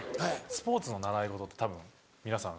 スポーツの習い事ってたぶん皆さん